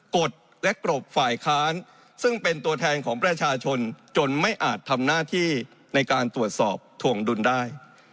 กฎและกรบฝ่ายค้านซึ่งเป็นตัวแทนของประชาชนจนไม่อาจทำหน้าที่ในการตรวจสอบถวงดุลได้